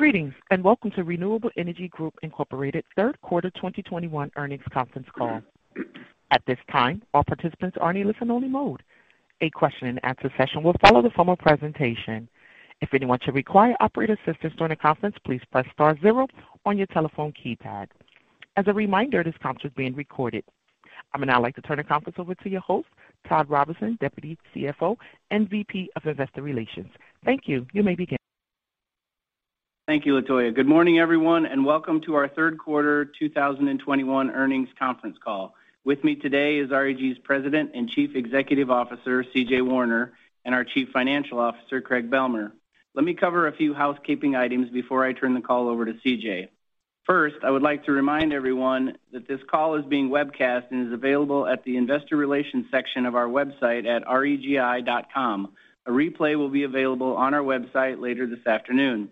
Greetings, and welcome to Renewable Energy Group, Inc. Q3 2021 earnings conference call. At this time, all participants are in a listen only mode. A question and answer session will follow the formal presentation. If anyone should require operator assistance during the conference, please press star zero on your telephone keypad. As a reminder, this conference is being recorded. I would now like to turn the conference over to your host, Todd Robinson, Deputy CFO and VP of Investor Relations. Thank you. You may begin. Thank you, Latonya. Good morning, everyone, and welcome to our Q3 2021 earnings conference call. With me today is REG's President and Chief Executive Officer, CJ Warner, and our Chief Financial Officer, Craig Bealmear. Let me cover a few housekeeping items before I turn the call over to CJ. First, I would like to remind everyone that this call is being webcast and is available at the investor relations section of our website at regi.com. A replay will be available on our website later this afternoon.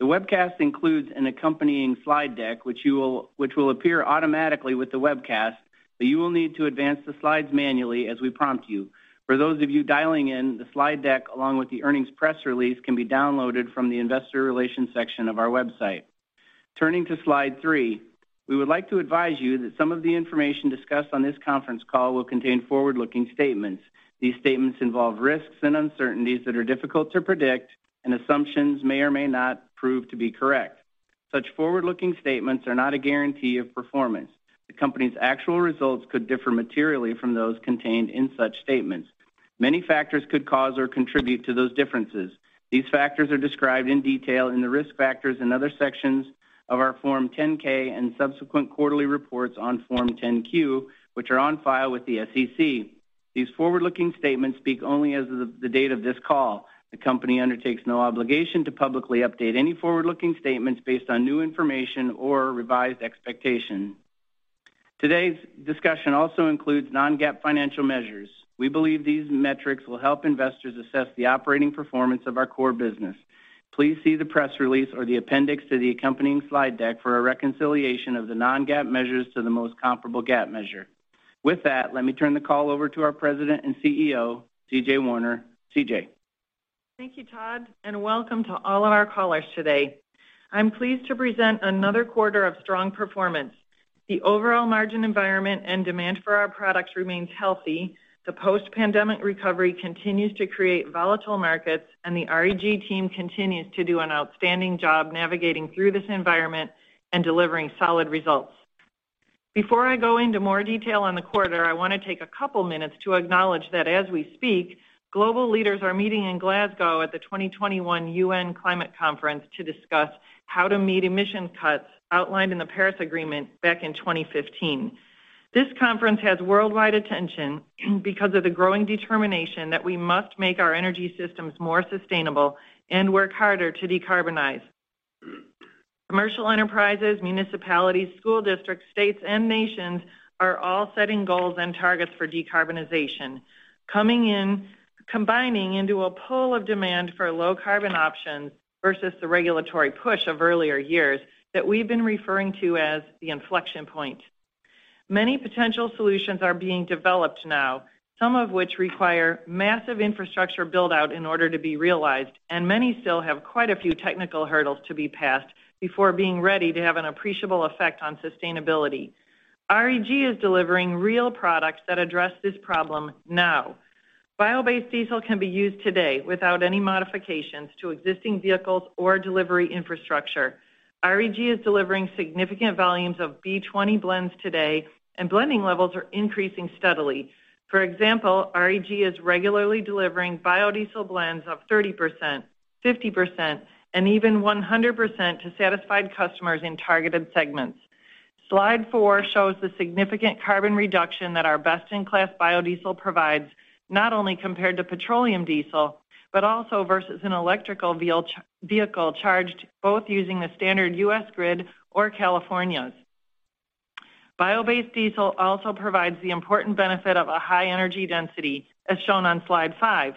The webcast includes an accompanying slide deck, which will appear automatically with the webcast, but you will need to advance the slides manually as we prompt you. For those of you dialing in, the slide deck along with the earnings press release can be downloaded from the investor relations section of our website. Turning to slide three, we would like to advise you that some of the information discussed on this conference call will contain forward-looking statements. These statements involve risks and uncertainties that are difficult to predict and assumptions may or may not prove to be correct. Such forward-looking statements are not a guarantee of performance. The company's actual results could differ materially from those contained in such statements. Many factors could cause or contribute to those differences. These factors are described in detail in the risk factors and other sections of our Form 10-K and subsequent quarterly reports on Form 10-Q, which are on file with the SEC. These forward-looking statements speak only as of the date of this call. The company undertakes no obligation to publicly update any forward-looking statements based on new information or revised expectations. Today's discussion also includes non-GAAP financial measures. We believe these metrics will help investors assess the operating performance of our core business. Please see the press release or the appendix to the accompanying slide deck for a reconciliation of the non-GAAP measures to the most comparable GAAP measure. With that, let me turn the call over to our President and CEO, CJ Warner. CJ. Thank you, Todd, and welcome to all of our callers today. I'm pleased to present another quarter of strong performance. The overall margin environment and demand for our products remains healthy. The post-pandemic recovery continues to create volatile markets, and the REG team continues to do an outstanding job navigating through this environment and delivering solid results. Before I go into more detail on the quarter, I wanna take a couple minutes to acknowledge that as we speak, global leaders are meeting in Glasgow at the 2021 UN Climate Conference to discuss how to meet emission cuts outlined in the Paris Agreement back in 2015. This conference has worldwide attention because of the growing determination that we must make our energy systems more sustainable and work harder to decarbonize. Commercial enterprises, municipalities, school districts, states, and nations are all setting goals and targets for decarbonization. Coming in, combining into a pool of demand for low carbon options versus the regulatory push of earlier years that we've been referring to as the inflection point. Many potential solutions are being developed now, some of which require massive infrastructure build-out in order to be realized, and many still have quite a few technical hurdles to be passed before being ready to have an appreciable effect on sustainability. REG is delivering real products that address this problem now. Bio-based diesel can be used today without any modifications to existing vehicles or delivery infrastructure. REG is delivering significant volumes of B20 blends today, and blending levels are increasing steadily. For example, REG is regularly delivering biodiesel blends of 30%, 50%, and even 100% to satisfied customers in targeted segments. Slide four shows the significant carbon reduction that our best-in-class biodiesel provides, not only compared to petroleum diesel, but also versus an electric vehicle charged both using the standard U.S. grid or California's. Bio-based diesel also provides the important benefit of a high energy density, as shown on slide five,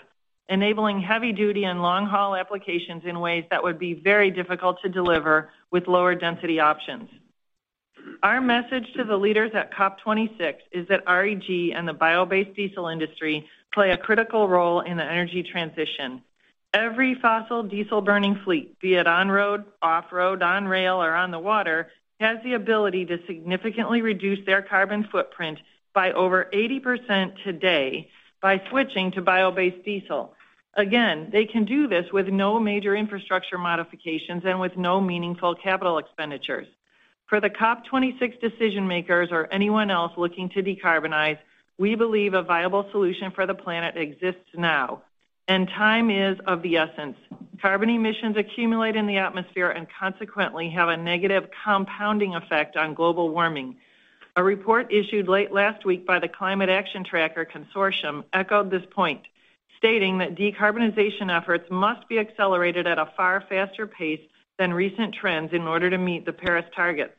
enabling heavy-duty and long-haul applications in ways that would be very difficult to deliver with lower density options. Our message to the leaders at COP26 is that REG and the bio-based diesel industry play a critical role in the energy transition. Every fossil diesel-burning fleet, be it on-road, off-road, on-rail, or on the water, has the ability to significantly reduce their carbon footprint by over 80% today by switching to bio-based diesel. They can do this with no major infrastructure modifications and with no meaningful capital expenditures. For the COP 26 decision-makers or anyone else looking to decarbonize, we believe a viable solution for the planet exists now, and time is of the essence. Carbon emissions accumulate in the atmosphere and consequently have a negative compounding effect on global warming. A report issued late last week by the Climate Action Tracker echoed this point, stating that decarbonization efforts must be accelerated at a far faster pace than recent trends in order to meet the Paris targets.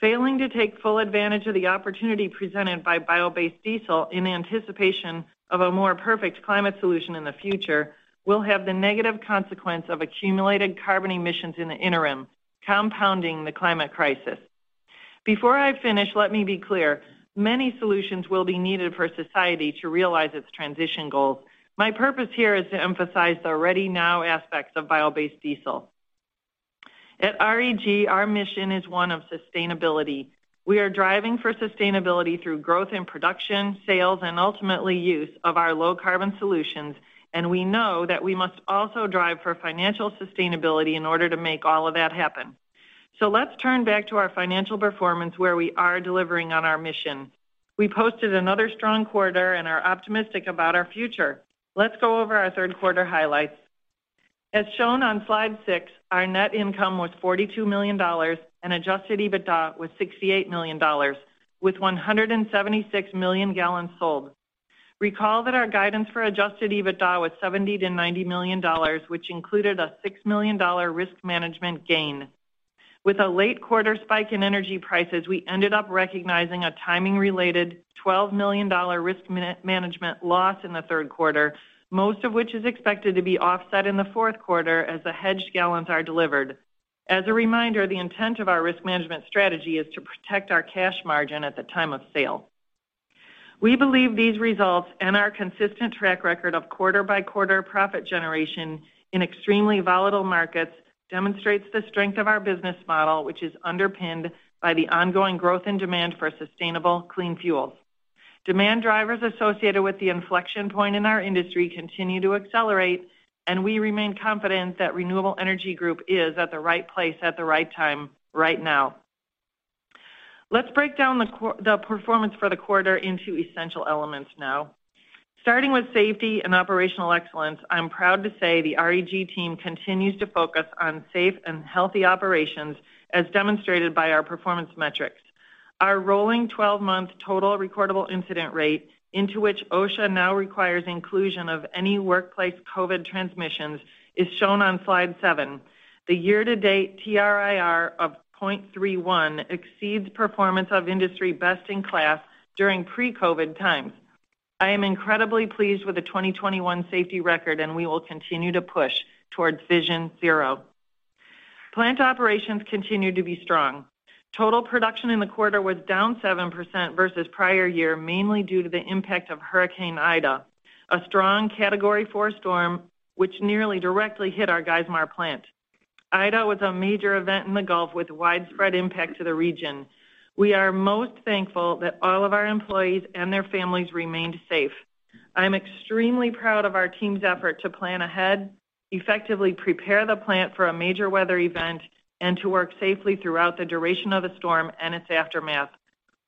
Failing to take full advantage of the opportunity presented by bio-based diesel in anticipation of a more perfect climate solution in the future will have the negative consequence of accumulated carbon emissions in the interim, compounding the climate crisis. Before I finish, let me be clear. Many solutions will be needed for society to realize its transition goals. My purpose here is to emphasize the ready now aspects of bio-based diesel. At REG, our mission is one of sustainability. We are driving for sustainability through growth in production, sales, and ultimately use of our low carbon solutions, and we know that we must also drive for financial sustainability in order to make all of that happen. Let's turn back to our financial performance where we are delivering on our mission. We posted another strong quarter and are optimistic about our future. Let's go over our Q3 highlights. As shown on slide six, our net income was $42 million and adjusted EBITDA was $68 million with 176 million gallons sold. Recall that our guidance for adjusted EBITDA was $70 million-$90 million, which included a $6 million risk management gain. With a late quarter spike in energy prices, we ended up recognizing a timing-related $12 million risk mana-management loss in the Q3, most of which is expected to be offset in the Q4 as the hedged gallons are delivered. As a reminder, the intent of our risk management strategy is to protect our cash margin at the time of sale. We believe these results and our consistent track record of quarter-by-quarter profit generation in extremely volatile markets demonstrates the strength of our business model, which is underpinned by the ongoing growth in demand for sustainable clean fuels. Demand drivers associated with the inflection point in our industry continue to accelerate, and we remain confident that Renewable Energy Group is at the right place at the right time right now. Let's break down the performance for the quarter into essential elements now. Starting with safety and operational excellence, I'm proud to say the REG team continues to focus on safe and healthy operations as demonstrated by our performance metrics. Our rolling twelve-month total recordable incident rate into which OSHA now requires inclusion of any workplace COVID transmissions is shown on slide seven. The year-to-date TRIR of 0.31 exceeds performance of industry best in class during pre-COVID times. I am incredibly pleased with the 2021 safety record, and we will continue to push towards Vision Zero. Plant operations continue to be strong. Total production in the quarter was down 7% versus prior year, mainly due to the impact of Hurricane Ida, a strong Category 4 storm which nearly directly hit our Geismar plant. Ida was a major event in the Gulf with widespread impact to the region. We are most thankful that all of our employees and their families remained safe. I'm extremely proud of our team's effort to plan ahead, effectively prepare the plant for a major weather event, and to work safely throughout the duration of the storm and its aftermath.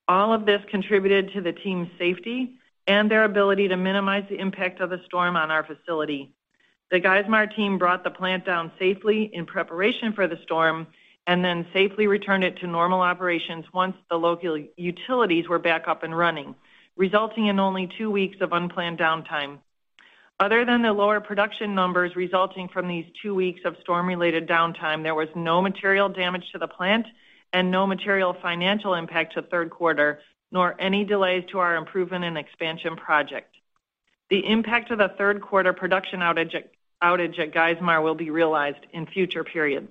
All of this contributed to the team's safety and their ability to minimize the impact of the storm on our facility. The Geismar team brought the plant down safely in preparation for the storm and then safely returned it to normal operations once the local utilities were back up and running, resulting in only two weeks of unplanned downtime. Other than the lower production numbers resulting from these two weeks of storm-related downtime, there was no material damage to the plant and no material financial impact to Q3, nor any delays to our improvement and expansion project. The impact of the Q3 production outage at Geismar will be realized in future periods.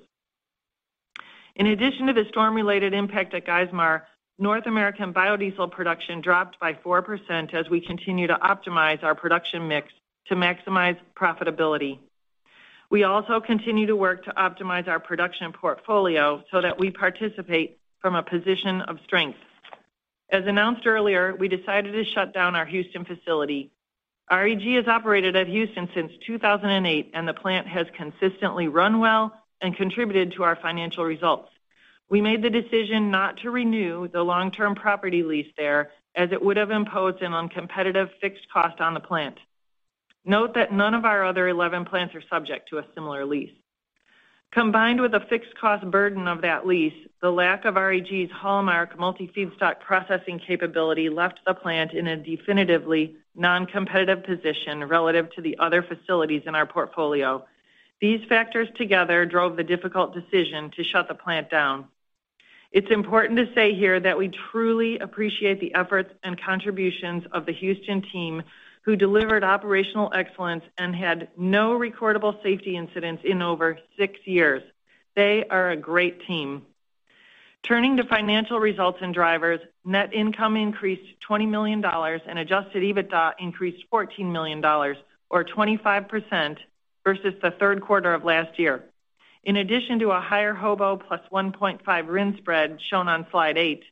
In addition to the storm-related impact at Geismar, North American biodiesel production dropped by 4% as we continue to optimize our production mix to maximize profitability. We also continue to work to optimize our production portfolio so that we participate from a position of strength. As announced earlier, we decided to shut down our Houston facility. REG has operated at Houston since 2008, and the plant has consistently run well and contributed to our financial results. We made the decision not to renew the long-term property lease there as it would have imposed an uncompetitive fixed cost on the plant. Note that none of our other 11 plants are subject to a similar lease. Combined with the fixed cost burden of that lease, the lack of REG's hallmark multi-feedstock processing capability left the plant in a definitively non-competitive position relative to the other facilities in our portfolio. These factors together drove the difficult decision to shut the plant down. It's important to say here that we truly appreciate the efforts and contributions of the Houston team who delivered operational excellence and had no recordable safety incidents in over six years. They are a great team. Turning to financial results and drivers, net income increased $20 million and adjusted EBITDA increased $14 million or 25% versus the Q3 of last year. In addition to a higher HOBO plus 1.5 RIN spread shown on slide eight,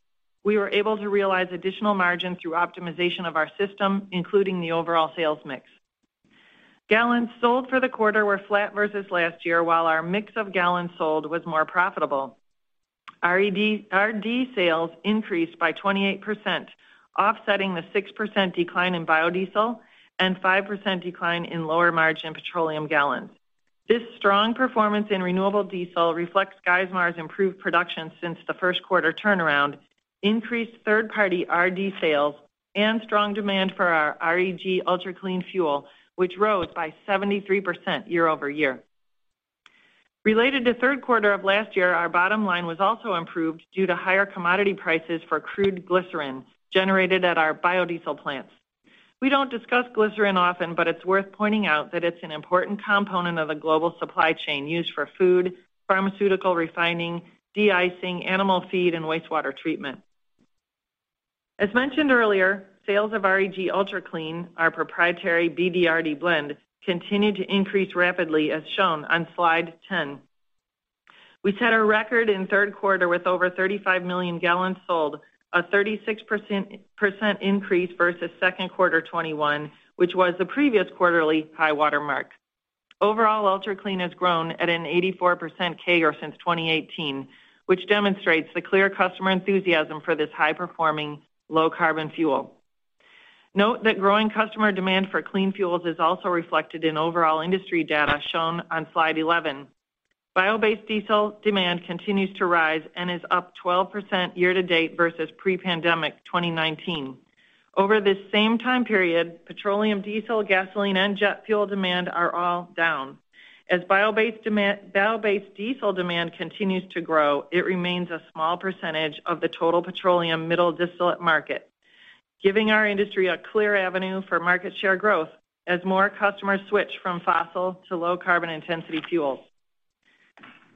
we were able to realize additional margin through optimization of our system, including the overall sales mix. Gallons sold for the quarter were flat versus last year while our mix of gallons sold was more profitable. RD sales increased by 28%, offsetting the 6% decline in biodiesel and 5% decline in lower margin petroleum gallons. This strong performance in renewable diesel reflects Geismar's improved production since the Q1 turnaround, increased third-party RD sales, and strong demand for our REG Ultra Clean Fuel, which rose by 73% year-over-year. Related to Q3 of last year, our bottom line was also improved due to higher commodity prices for crude glycerin generated at our biodiesel plants. We don't discuss glycerin often, but it's worth pointing out that it's an important component of the global supply chain used for food, pharmaceutical refining, de-icing, animal feed, and wastewater treatment. As mentioned earlier, sales of REG Ultra Clean, our proprietary BDRD blend, continue to increase rapidly, as shown on slide 10. We set a record in Q3 with over 35 million gallons sold, a 36% increase versus Q2 2021, which was the previous quarterly high water mark. Overall, Ultra Clean has grown at an 84% CAGR since 2018, which demonstrates the clear customer enthusiasm for this high-performing, low-carbon fuel. Note that growing customer demand for clean fuels is also reflected in overall industry data shown on slide 11. Bio-based diesel demand continues to rise and is up 12% year to date versus pre-pandemic 2019. Over this same time period, petroleum diesel, gasoline, and jet fuel demand are all down. As biobased demand, biobased diesel demand continues to grow, it remains a small percentage of the total petroleum middle distillate market, giving our industry a clear avenue for market share growth as more customers switch from fossil to low carbon intensity fuels.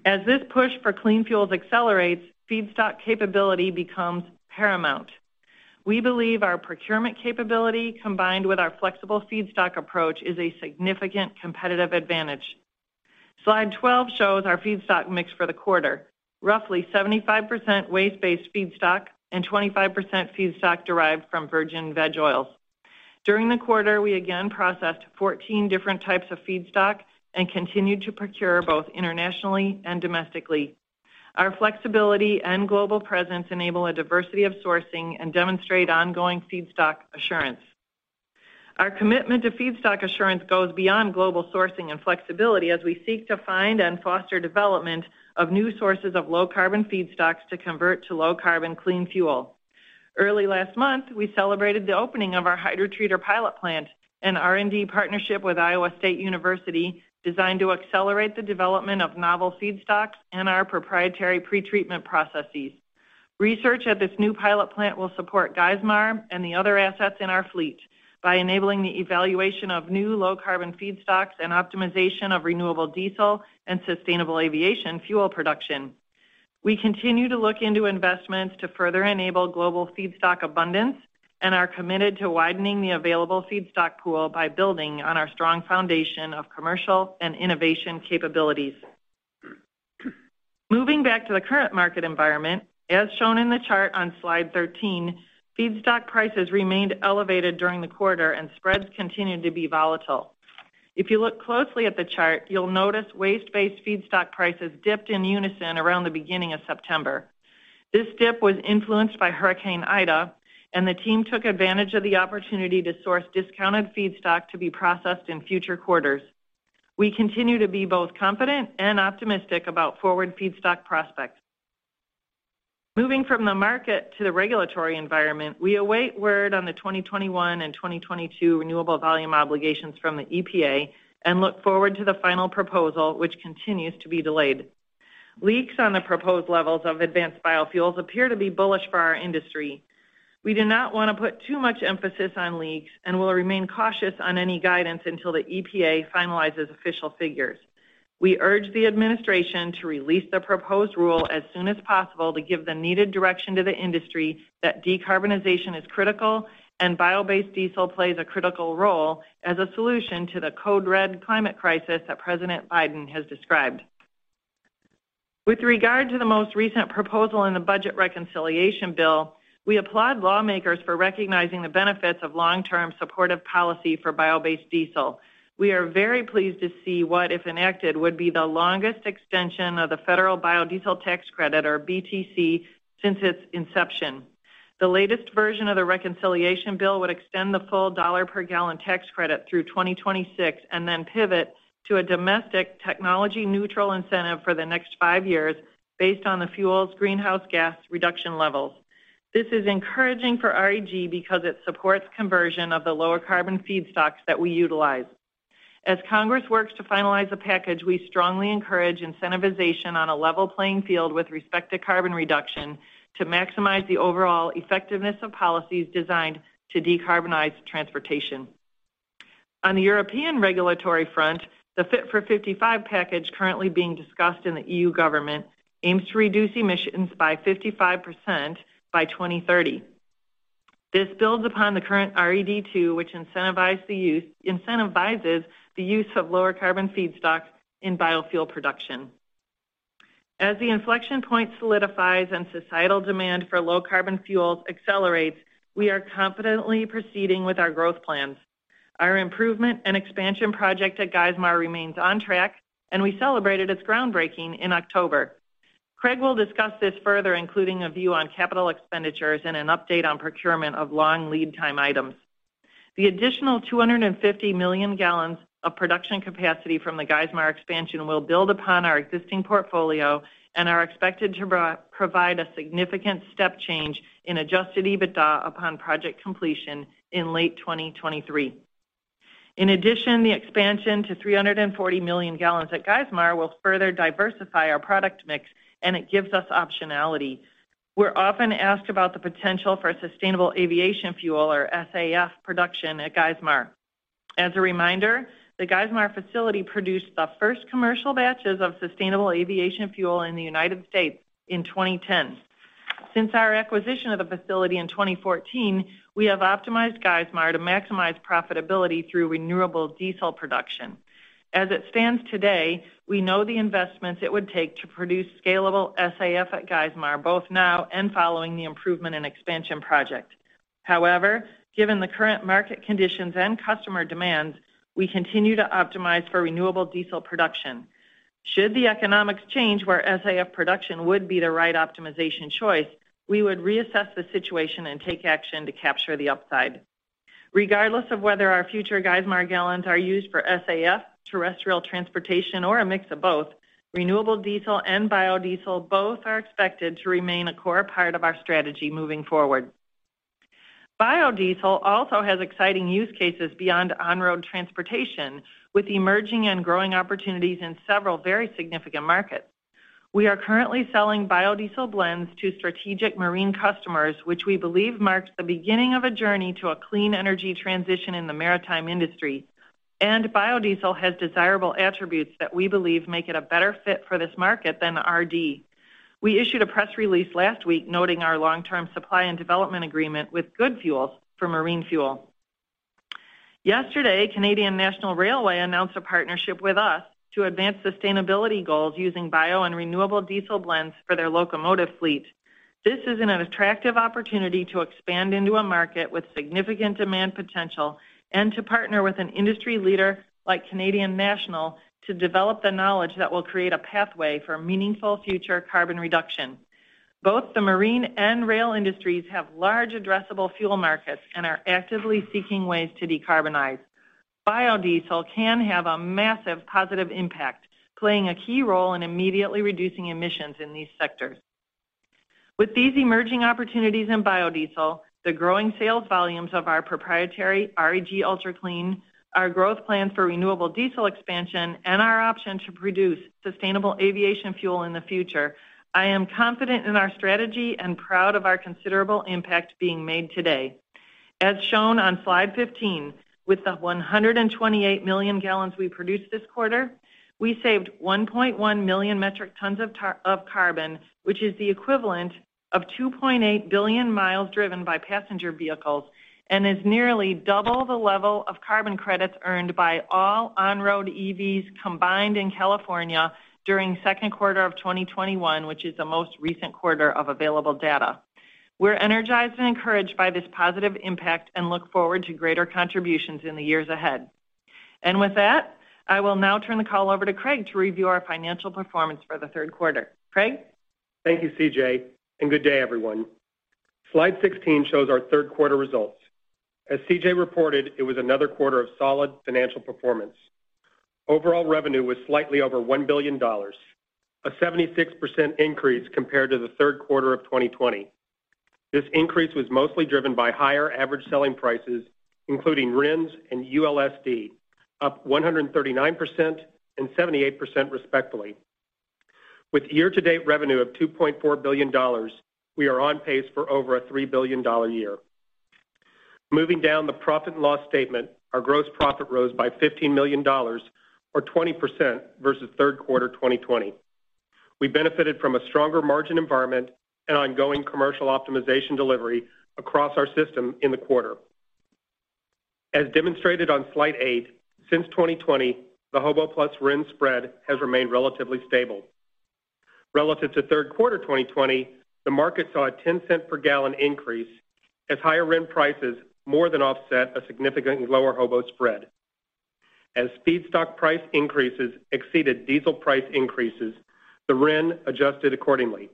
As this push for clean fuels accelerates, feedstock capability becomes paramount. We believe our procurement capability, combined with our flexible feedstock approach, is a significant competitive advantage. Slide 12 shows our feedstock mix for the quarter, roughly 75% waste-based feedstock and 25% feedstock derived from virgin veg oils. During the quarter, we again processed 14 different types of feedstock and continued to procure both internationally and domestically. Our flexibility and global presence enable a diversity of sourcing and demonstrate ongoing feedstock assurance. Our commitment to feedstock assurance goes beyond global sourcing and flexibility as we seek to find and foster development of new sources of low carbon feedstocks to convert to low carbon clean fuel. Early last month, we celebrated the opening of our Hydrotreater pilot plant, an R&D partnership with Iowa State University designed to accelerate the development of novel feedstocks and our proprietary pretreatment processes. Research at this new pilot plant will support Geismar and the other assets in our fleet by enabling the evaluation of new low carbon feedstocks and optimization of renewable diesel and sustainable aviation fuel production. We continue to look into investments to further enable global feedstock abundance and are committed to widening the available feedstock pool by building on our strong foundation of commercial and innovation capabilities. Moving back to the current market environment, as shown in the chart on slide 13, feedstock prices remained elevated during the quarter and spreads continued to be volatile. If you look closely at the chart, you'll notice waste-based feedstock prices dipped in unison around the beginning of September. This dip was influenced by Hurricane Ida, and the team took advantage of the opportunity to source discounted feedstock to be processed in future quarters. We continue to be both confident and optimistic about forward feedstock prospects. Moving from the market to the regulatory environment, we await word on the 2021 and 2022 Renewable Volume Obligations from the EPA and look forward to the final proposal, which continues to be delayed. Leaks on the proposed levels of advanced biofuels appear to be bullish for our industry. We do not want to put too much emphasis on leaks and will remain cautious on any guidance until the EPA finalizes official figures. We urge the administration to release the proposed rule as soon as possible to give the needed direction to the industry that decarbonization is critical and bio-based diesel plays a critical role as a solution to the code red climate crisis that President Biden has described. With regard to the most recent proposal in the budget reconciliation bill, we applaud lawmakers for recognizing the benefits of long-term supportive policy for bio-based diesel. We are very pleased to see what, if enacted, would be the longest extension of the Federal Biodiesel Tax Credit, or BTC, since its inception. The latest version of the reconciliation bill would extend the full $1 per gallon tax credit through 2026 and then pivot to a domestic technology neutral incentive for the next five years based on the fuel's greenhouse gas reduction levels. This is encouraging for REG because it supports conversion of the lower carbon feedstocks that we utilize. As Congress works to finalize a package, we strongly encourage incentivization on a level playing field with respect to carbon reduction to maximize the overall effectiveness of policies designed to decarbonize transportation. On the European regulatory front, the Fit for 55 package currently being discussed in the EU government aims to reduce emissions by 55% by 2030. This builds upon the current RED II, which incentivizes the use of lower carbon feedstocks in biofuel production. As the inflection point solidifies and societal demand for low carbon fuels accelerates, we are confidently proceeding with our growth plans. Our improvement and expansion project at Geismar remains on track, and we celebrated its groundbreaking in October. Craig will discuss this further, including a view on CapEx and an update on procurement of long lead time items. The additional 250 million gallons of production capacity from the Geismar expansion will build upon our existing portfolio and are expected to provide a significant step change in adjusted EBITDA upon project completion in late 2023. In addition, the expansion to 340 million gallons at Geismar will further diversify our product mix, and it gives us optionality. We're often asked about the potential for sustainable aviation fuel or SAF production at Geismar. As a reminder, the Geismar facility produced the first commercial batches of sustainable aviation fuel in the United States in 2010. Since our acquisition of the facility in 2014, we have optimized Geismar to maximize profitability through renewable diesel production. As it stands today, we know the investments it would take to produce scalable SAF at Geismar, both now and following the improvement and expansion project. However, given the current market conditions and customer demand, we continue to optimize for renewable diesel production. Should the economics change where SAF production would be the right optimization choice, we would reassess the situation and take action to capture the upside. Regardless of whether our future Geismar gallons are used for SAF, terrestrial transportation or a mix of both, renewable diesel and biodiesel both are expected to remain a core part of our strategy moving forward. Biodiesel also has exciting use cases beyond on-road transportation, with emerging and growing opportunities in several very significant markets. We are currently selling biodiesel blends to strategic marine customers, which we believe marks the beginning of a journey to a clean energy transition in the maritime industry, and biodiesel has desirable attributes that we believe make it a better fit for this market than RD. We issued a press release last week noting our long-term supply and development agreement with GoodFuels for marine fuel. Yesterday, Canadian National Railway announced a partnership with us to advance sustainability goals using bio and renewable diesel blends for their locomotive fleet. This is an attractive opportunity to expand into a market with significant demand potential and to partner with an industry leader like Canadian National to develop the knowledge that will create a pathway for meaningful future carbon reduction. Both the marine and rail industries have large addressable fuel markets and are actively seeking ways to decarbonize. Biodiesel can have a massive positive impact, playing a key role in immediately reducing emissions in these sectors. With these emerging opportunities in biodiesel, the growing sales volumes of our proprietary REG Ultra Clean, our growth plan for renewable diesel expansion, and our option to produce sustainable aviation fuel in the future, I am confident in our strategy and proud of our considerable impact being made today. As shown on slide 15, with the 128 million gallons we produced this quarter, we saved 1.1 million metric tons of carbon, which is the equivalent of 2.8 billion miles driven by passenger vehicles and is nearly double the level of carbon credits earned by all on-road EVs combined in California during Q2 of 2021, which is the most recent quarter of available data. We're energized and encouraged by this positive impact and look forward to greater contributions in the years ahead. With that, I will now turn the call over to Craig to review our financial performance for the Q3. Craig? Thank you, CJ, and good day, everyone. Slide 16 shows our Q3 results. As CJ reported, it was another quarter of solid financial performance. Overall revenue was slightly over $1 billion, a 76% increase compared to the Q3 of 2020. This increase was mostly driven by higher average selling prices, including RINs and ULSD, up 139% and 78% respectively. With year-to-date revenue of $2.4 billion, we are on pace for over a $3 billion year. Moving down the profit and loss statement, our gross profit rose by $15 million or 20% versus Q3 2020. We benefited from a stronger margin environment and ongoing commercial optimization delivery across our system in the quarter. As demonstrated on slide 8, since 2020, the HOBO plus RIN spread has remained relatively stable. Relative to Q3 2020, the market saw a 10-cent per gallon increase as higher RIN prices more than offset a significantly lower HOBO spread. As feedstock price increases exceeded diesel price increases, the RIN adjusted accordingly.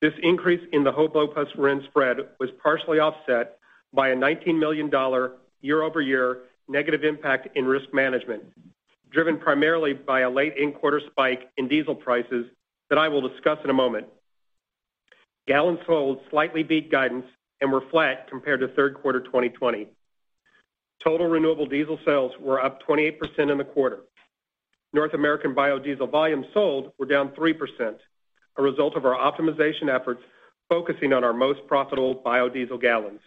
This increase in the HOBO plus RIN spread was partially offset by a $19 million year-over-year negative impact in risk management, driven primarily by a late in quarter spike in diesel prices that I will discuss in a moment. Gallons sold slightly beat guidance and were flat compared to Q3 2020. Total renewable diesel sales were up 28% in the quarter. North American biodiesel volume sold were down 3%, a result of our optimization efforts focusing on our most profitable biodiesel gallons.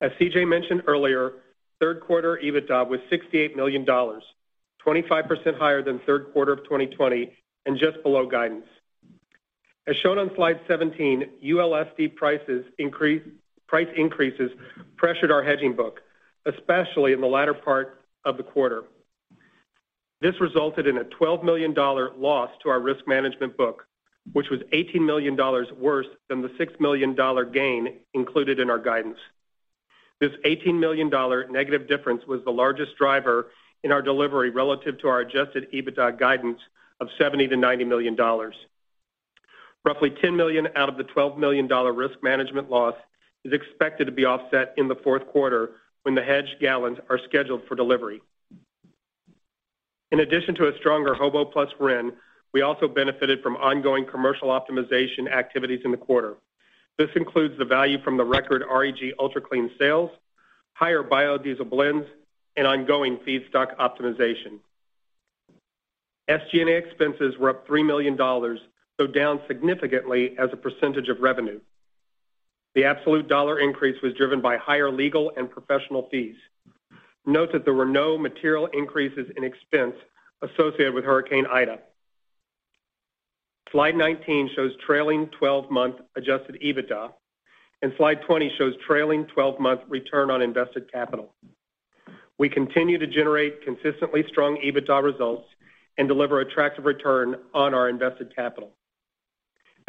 As CJ mentioned earlier, Q3 EBITDA was $68 million, 25% higher than Q3 of 2020 and just below guidance. As shown on slide 17, ULSD price increases pressured our hedging book, especially in the latter part of the quarter. This resulted in a $12 million loss to our risk management book, which was $18 million worse than the $6 million gain included in our guidance. This $18 million negative difference was the largest driver in our delivery relative to our adjusted EBITDA guidance of $70 million-$90 million. Roughly $10 million out of the $12 million risk management loss is expected to be offset in the Q4 when the hedged gallons are scheduled for delivery. In addition to a stronger HOBO plus RIN, we also benefited from ongoing commercial optimization activities in the quarter. This includes the value from the record REG Ultra Clean sales, higher biodiesel blends, and ongoing feedstock optimization. SG&A expenses were up $3 million, though down significantly as a percentage of revenue. The absolute dollar increase was driven by higher legal and professional fees. Note that there were no material increases in expense associated with Hurricane Ida. Slide 19 shows trailing 12-month adjusted EBITDA, and slide 20 shows trailing 12-month return on invested capital. We continue to generate consistently strong EBITDA results and deliver attractive return on our invested capital.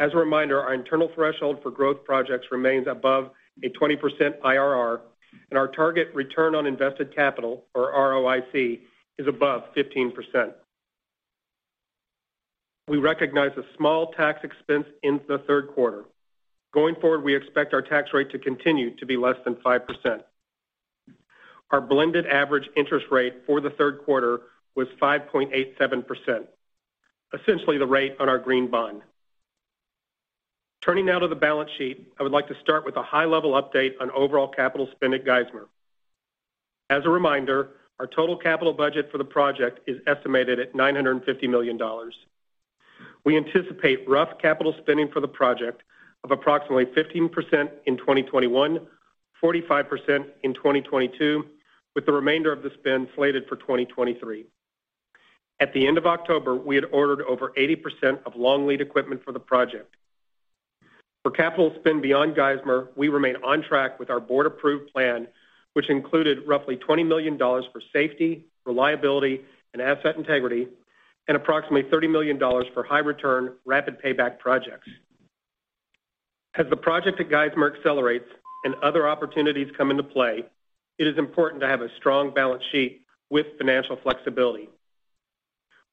As a reminder, our internal threshold for growth projects remains above a 20% IRR, and our target return on invested capital or ROIC is above 15%. We recognize a small tax expense in the Q3. Going forward, we expect our tax rate to continue to be less than 5%. Our blended average interest rate for the Q3 was 5.87%, essentially the rate on our green bond. Turning now to the balance sheet, I would like to start with a high-level update on overall capital spend at Geismar. As a reminder, our total capital budget for the project is estimated at $950 million. We anticipate rough capital spending for the project of approximately 15% in 2021, 45% in 2022, with the remainder of the spend slated for 2023. At the end of October, we had ordered over 80% of long-lead equipment for the project. For capital spend beyond Geismar, we remain on track with our board-approved plan, which included roughly $20 million for safety, reliability, and asset integrity and approximately $30 million for high-return, rapid payback projects. As the project at Geismar accelerates and other opportunities come into play, it is important to have a strong balance sheet with financial flexibility.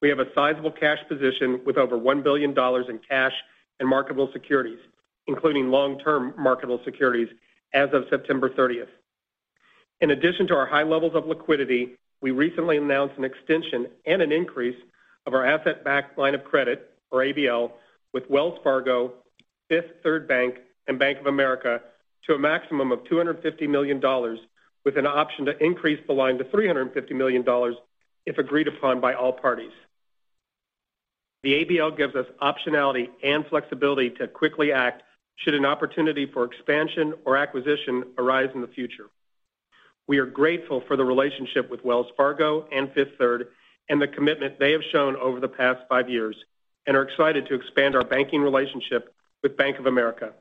We have a sizable cash position with over $1 billion in cash and marketable securities, including long-term marketable securities as of September 30. In addition to our high levels of liquidity, we recently announced an extension and an increase of our asset-backed line of credit or ABL with Wells Fargo, Fifth Third Bank, and Bank of America to a maximum of $250 million with an option to increase the line to $350 million if agreed upon by all parties. The ABL gives us optionality and flexibility to quickly act should an opportunity for expansion or acquisition arise in the future. We are grateful for the relationship with Wells Fargo and Fifth Third and the commitment they have shown over the past five years and are excited to expand our banking relationship with Bank of America.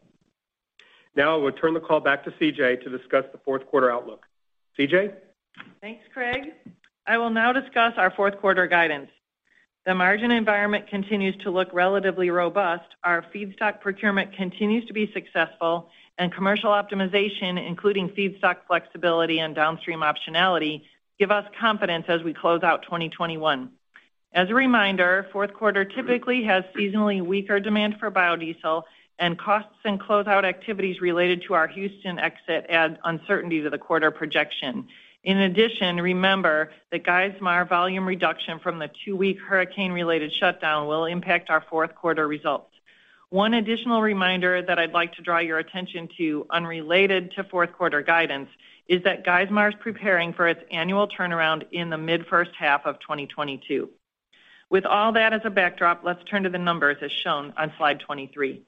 Now I will turn the call back to CJ to discuss the Q4 outlook. CJ? Thanks, Craig. I will now discuss our Q4 guidance. The margin environment continues to look relatively robust. Our feedstock procurement continues to be successful, and commercial optimization, including feedstock flexibility and downstream optionality, give us confidence as we close out 2021. As a reminder, Q4 typically has seasonally weaker demand for biodiesel and costs and closeout activities related to our Houston exit add uncertainty to the quarter projection. In addition, remember that Geismar volume reduction from the two-week hurricane-related shutdown will impact our Q4 results. One additional reminder that I'd like to draw your attention to, unrelated to Q4 guidance, is that Geismar is preparing for its annual turnaround in the mid-H1 of 2022. With all that as a backdrop, let's turn to the numbers as shown on slide 23.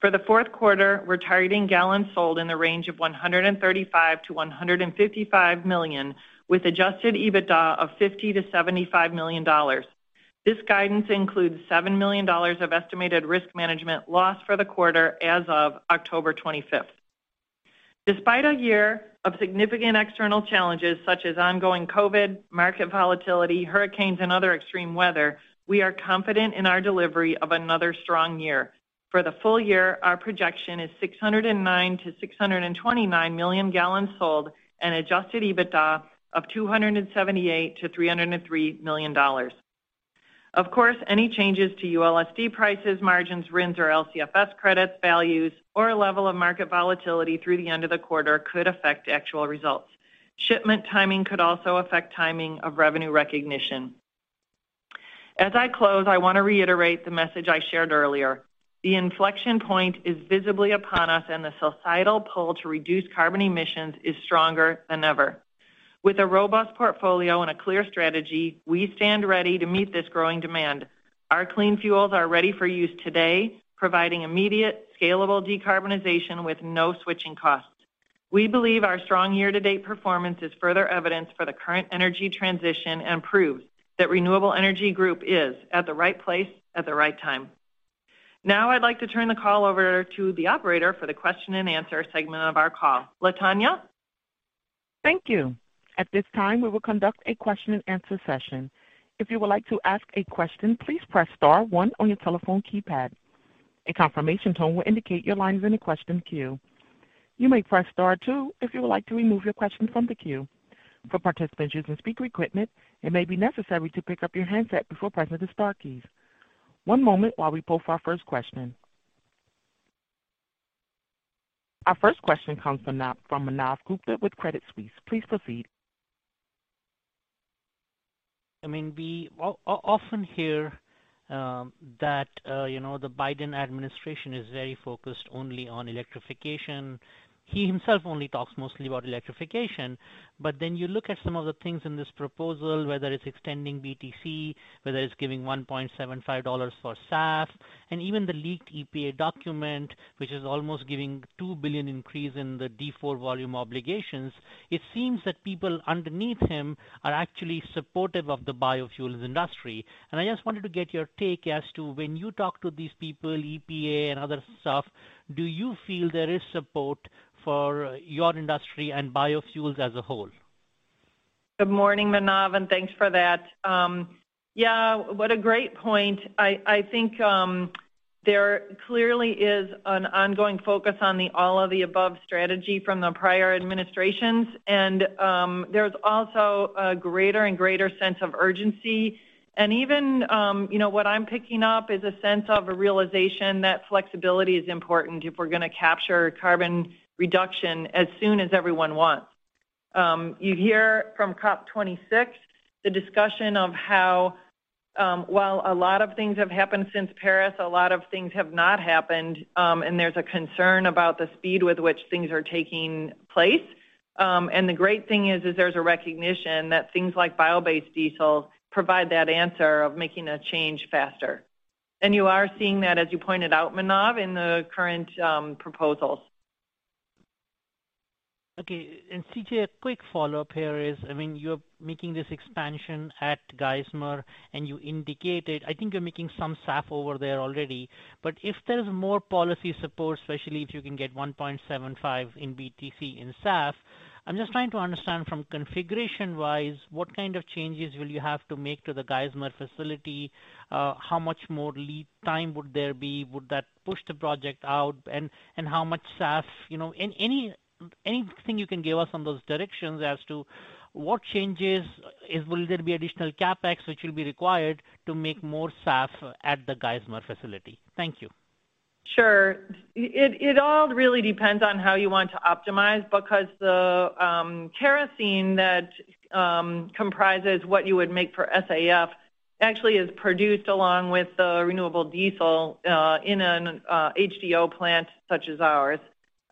For the Q4, we're targeting gallons sold in the range of 135-155 million, with adjusted EBITDA of $50-$75 million. This guidance includes $7 million of estimated risk management loss for the quarter as of 25 October. Despite a year of significant external challenges such as ongoing COVID, market volatility, hurricanes, and other extreme weather, we are confident in our delivery of another strong year. For the full year, our projection is 609-629 million gallons sold and adjusted EBITDA of $278-$303 million. Of course, any changes to ULSD prices, margins, RINs, or LCFS credits values or level of market volatility through the end of the quarter could affect actual results. Shipment timing could also affect timing of revenue recognition. As I close, I want to reiterate the message I shared earlier. The inflection point is visibly upon us, and the societal pull to reduce carbon emissions is stronger than ever. With a robust portfolio and a clear strategy, we stand ready to meet this growing demand. Our clean fuels are ready for use today, providing immediate, scalable decarbonization with no switching costs. We believe our strong year-to-date performance is further evidence for the current energy transition and proves that Renewable Energy Group is at the right place at the right time. Now I'd like to turn the call over to the operator for the question and answer segment of our call. Latonya? Thank you. At this time, we will conduct a question and answer session. If you would like to ask a question, please press star one on your telephone keypad. A confirmation tone will indicate your line is in the question queue. You may press star two if you would like to remove your question from the queue. For participants using speaker equipment, it may be necessary to pick up your handset before pressing the star keys. One moment while we poll for our first question. Our first question comes from from Manav Gupta with Credit Suisse. Please proceed. I mean, we often hear that the Biden administration is very focused only on electrification. He himself only talks mostly about electrification. You look at some of the things in this proposal, whether it's extending BTC, whether it's giving $1.75 for SAF, and even the leaked EPA document, which is almost giving two billion increase in the D4 volume obligations. It seems that people underneath him are actually supportive of the biofuels industry. I just wanted to get your take as to when you talk to these people, EPA and other stuff. Do you feel there is support for your industry and biofuels as a whole? Good morning, Manav, and thanks for that. Yeah, what a great point. I think there clearly is an ongoing focus on the all of the above strategy from the prior administrations. There's also a greater and greater sense of urgency. Even you know, what I'm picking up is a sense of a realization that flexibility is important if we're gonna capture carbon reduction as soon as everyone wants. You hear from COP26 the discussion of how, while a lot of things have happened since Paris, a lot of things have not happened, and there's a concern about the speed with which things are taking place. The great thing is there's a recognition that things like biobased diesel provide that answer of making a change faster. You are seeing that, as you pointed out, Manav, in the current proposals. Okay. CJ, a quick follow-up here is, I mean, you're making this expansion at Geismar, and you indicated. I think you're making some SAF over there already. If there's more policy support, especially if you can get $1.75 in BTC in SAF, I'm just trying to understand from configuration-wise, what kind of changes will you have to make to the Geismar facility? How much more lead time would there be? Would that push the project out? How much SAF? You know, anything you can give us on those directions as to what changes? Will there be additional CapEx which will be required to make more SAF at the Geismar facility? Thank you. Sure. It all really depends on how you want to optimize because the kerosene that comprises what you would make for SAF actually is produced along with the renewable diesel in an HDO plant such as ours.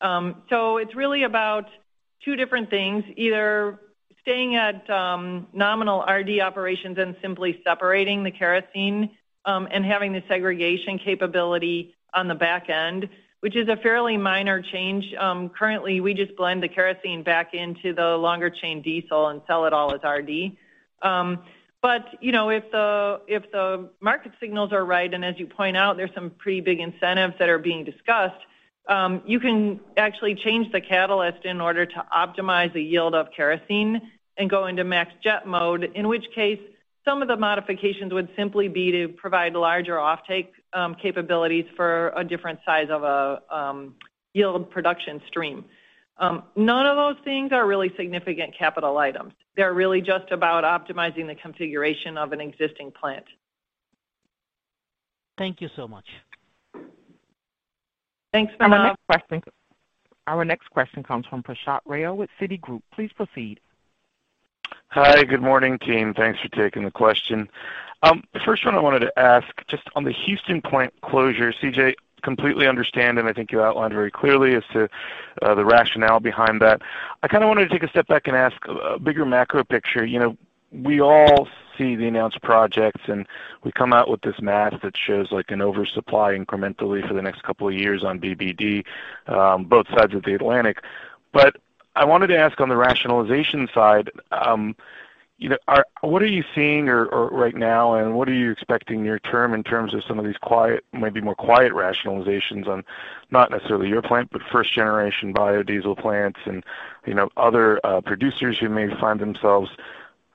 So it's really about two different things, either staying at nominal RD operations and simply separating the kerosene and having the segregation capability on the back end, which is a fairly minor change. Currently, we just blend the kerosene back into the longer-chain diesel and sell it all as RD. You know, if the market signals are right, and as you point out, there's some pretty big incentives that are being discussed, you can actually change the catalyst in order to optimize the yield of kerosene and go into max jet mode, in which case some of the modifications would simply be to provide larger offtake capabilities for a different size of a yield production stream. None of those things are really significant capital items. They're really just about optimizing the configuration of an existing plant. Thank you so much. Thanks, Manav. Our next question comes from Prashant Rao with Citigroup. Please proceed. Hi. Good morning, team. Thanks for taking the question. The first one I wanted to ask, just on the Houston plant closure, CJ. I completely understand, and I think you outlined very clearly as to the rationale behind that. I kinda wanted to take a step back and ask a bigger macro picture. You know, we all see the announced projects, and we come out with this math that shows, like, an oversupply incrementally for the next couple of years on BBD, both sides of the Atlantic. I wanted to ask on the rationalization side, you know, are What are you seeing or right now, and what are you expecting near term in terms of some of these quiet, maybe more quiet rationalizations on not necessarily your plant, but first generation biodiesel plants and, you know, other producers who may find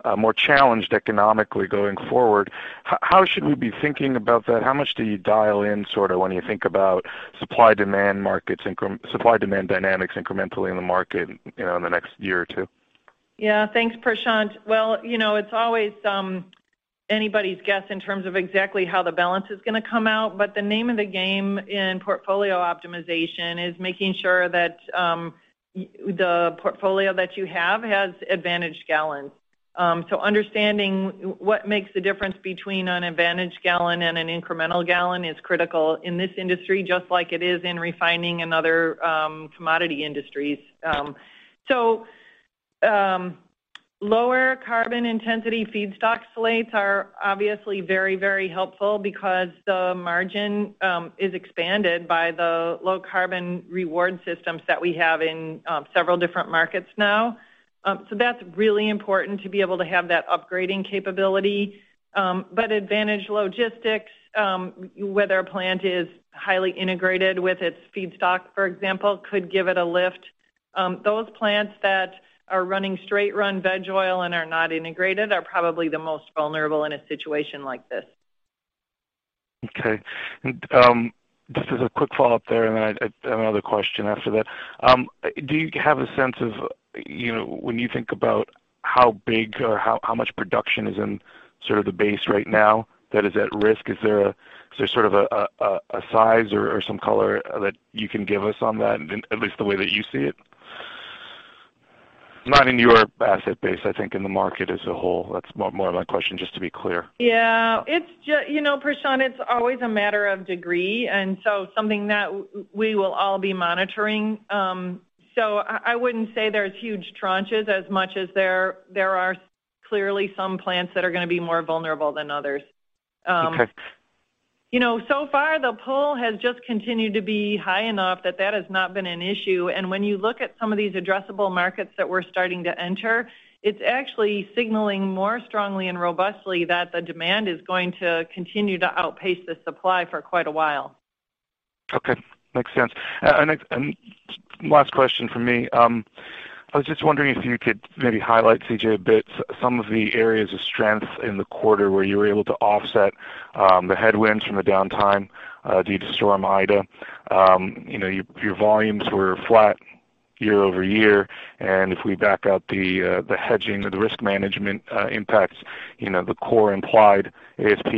themselves more challenged economically going forward? How should we be thinking about that? How much do you dial in, sorta, when you think about supply-demand dynamics incrementally in the market, you know, in the next year or two? Yeah. Thanks, Prashant. Well, you know, it's always anybody's guess in terms of exactly how the balance is gonna come out. The name of the game in portfolio optimization is making sure that the portfolio that you have has advantage gallons. Understanding what makes the difference between an advantage gallon and an incremental gallon is critical in this industry, just like it is in refining and other commodity industries. Lower carbon intensity feedstock slates are obviously very, very helpful because the margin is expanded by the low carbon reward systems that we have in several different markets now. That's really important to be able to have that upgrading capability. Advantage logistics, whether a plant is highly integrated with its feedstock, for example, could give it a lift. Those plants that are running straight run veg oil and are not integrated are probably the most vulnerable in a situation like this. Okay. Just as a quick follow-up there, and then I have another question after that. Do you have a sense of, you know, when you think about how big or how much production is in sort of the base right now that is at risk? Is there sort of a size or some color that you can give us on that, at least the way that you see it? Not in your asset base, I think in the market as a whole. That's more my question, just to be clear. You know, Prashant, it's always a matter of degree, and so something that we will all be monitoring. So I wouldn't say there's huge tranches as much as there are clearly some plants that are gonna be more vulnerable than others. Okay. You know, so far, the pull has just continued to be high enough that that has not been an issue. When you look at some of these addressable markets that we're starting to enter, it's actually signaling more strongly and robustly that the demand is going to continue to outpace the supply for quite a while. Okay. Makes sense. Next, and last question from me. I was just wondering if you could maybe highlight, CJ, a bit some of the areas of strength in the quarter where you were able to offset, the headwinds from the downtime, due to Storm Ida. You know, your volumes were flat year-over-year, and if we back out the hedging, the risk management impacts, you know, the core implied ASP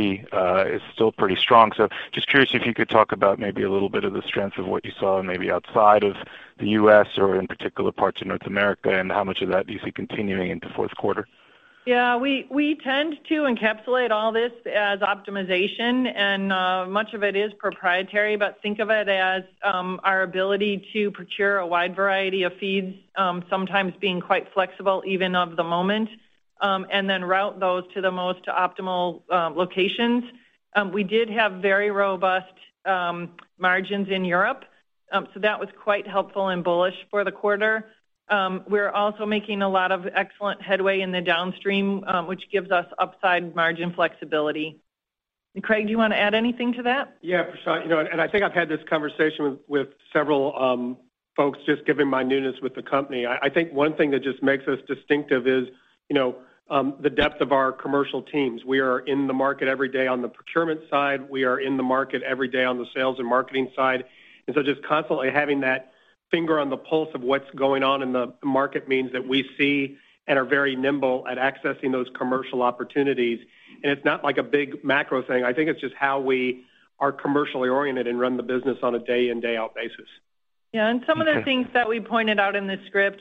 is still pretty strong. Just curious if you could talk about maybe a little bit of the strength of what you saw maybe outside of the U.S. or in particular parts of North America, and how much of that do you see continuing into Q4? Yeah. We tend to encapsulate all this as optimization, and much of it is proprietary, but think of it as our ability to procure a wide variety of feeds, sometimes being quite flexible even of the moment, and then route those to the most optimal locations. We did have very robust margins in Europe, so that was quite helpful and bullish for the quarter. We're also making a lot of excellent headway in the downstream, which gives us upside margin flexibility. Craig, do you wanna add anything to that? Yeah, Prashant. You know, and I think I've had this conversation with several folks just given my newness with the company. I think one thing that just makes us distinctive is, you know, the depth of our commercial teams. We are in the market every day on the procurement side. We are in the market every day on the sales and marketing side. Just constantly having that finger on the pulse of what's going on in the market means that we see and are very nimble at accessing those commercial opportunities. It's not like a big macro thing. I think it's just how we are commercially oriented and run the business on a day in, day out basis. Yeah. Some of the things that we pointed out in the script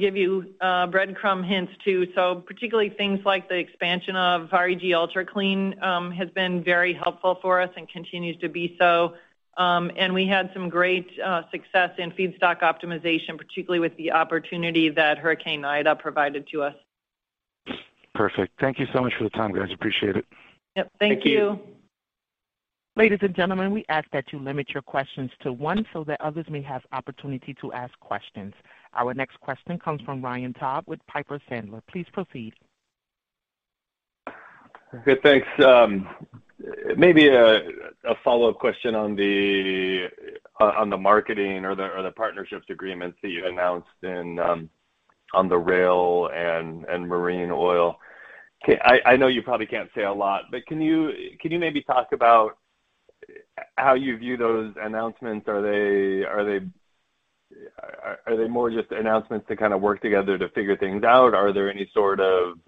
give you breadcrumb hints too. Particularly things like the expansion of REG Ultra Clean has been very helpful for us and continues to be so. We had some great success in feedstock optimization, particularly with the opportunity that Hurricane Ida provided to us. Perfect. Thank you so much for the time, guys. Appreciate it. Yep. Thank you. Thank you. Ladies and gentlemen, we ask that you limit your questions to one so that others may have opportunity to ask questions. Our next question comes from Ryan Todd with Piper Sandler. Please proceed. Okay. Thanks. Maybe a follow-up question on the marketing or the partnerships agreements that you announced on the rail and marine oil. I know you probably can't say a lot, but can you maybe talk about how you view those announcements? Are they more just announcements to kind of work together to figure things out? Are there any sort of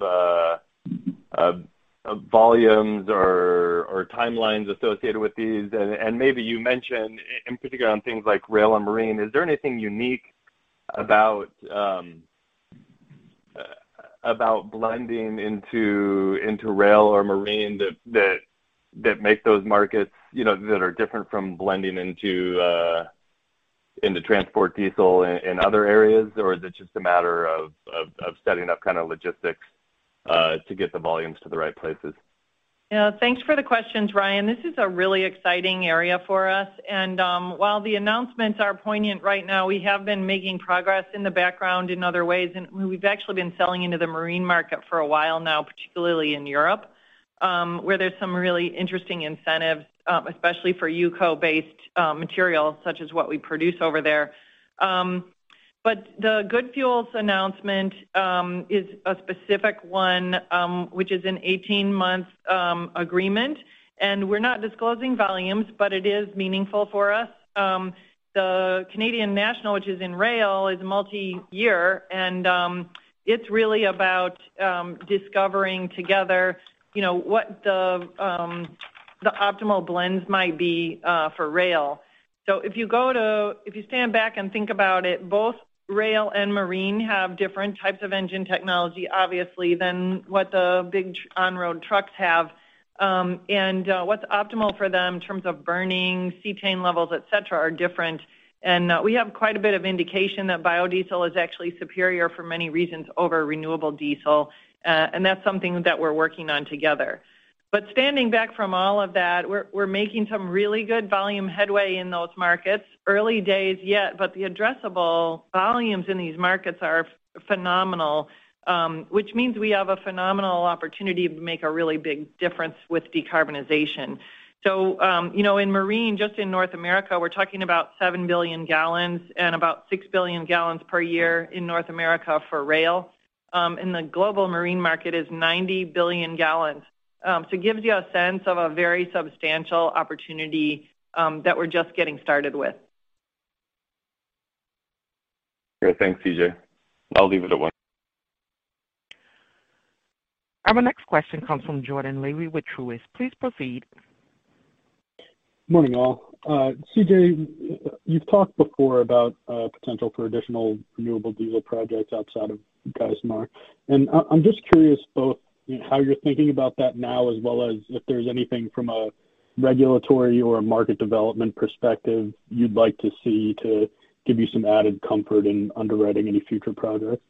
volumes or timelines associated with these? Maybe you mentioned in particular on things like rail and marine, is there anything unique about blending into rail or marine that make those markets, you know, that are different from blending into transport diesel in other areas? Is it just a matter of setting up kind of logistics to get the volumes to the right places? Yeah. Thanks for the questions, Ryan. This is a really exciting area for us. While the announcements are poignant right now, we have been making progress in the background in other ways, and we've actually been selling into the marine market for a while now, particularly in Europe, where there's some really interesting incentives, especially for UCO-based materials such as what we produce over there. The GoodFuels announcement is a specific one, which is an 18-month agreement. We're not disclosing volumes, but it is meaningful for us. The Canadian National, which is in rail, is multi-year, and it's really about discovering together, you know, what the optimal blends might be for rail. If you stand back and think about it, both rail and marine have different types of engine technology, obviously, than what the big on-road trucks have. What's optimal for them in terms of burning, cetane levels, et cetera, are different. We have quite a bit of indication that biodiesel is actually superior for many reasons over renewable diesel, and that's something that we're working on together. Standing back from all of that, we're making some really good volume headway in those markets. Early days yet, but the addressable volumes in these markets are phenomenal, which means we have a phenomenal opportunity to make a really big difference with decarbonization. you know, in marine, just in North America, we're talking about seven billion gallons and about six billion gallons per year in North America for rail. The global marine market is 90 billion gallons. It gives you a sense of a very substantial opportunity that we're just getting started with. Great. Thanks, CJ. I'll leave it at one. Our next question comes from Jordan Levy with Truist. Please proceed. Morning, all. CJ, you've talked before about potential for additional renewable diesel projects outside of Geismar. I'm just curious both how you're thinking about that now, as well as if there's anything from a regulatory or a market development perspective you'd like to see to give you some added comfort in underwriting any future projects.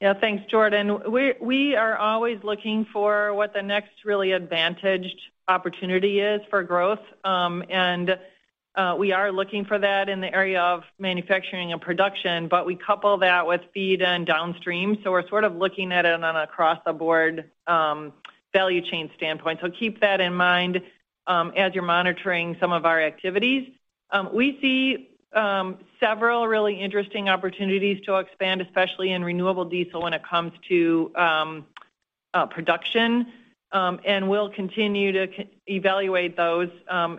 Yeah. Thanks, Jordan. We are always looking for what the next really advantaged opportunity is for growth. We are looking for that in the area of manufacturing and production, but we couple that with feed and downstream, so we're sort of looking at it on an across the board value chain standpoint. Keep that in mind as you're monitoring some of our activities. We see several really interesting opportunities to expand, especially in renewable diesel when it comes to production. We'll continue to evaluate those.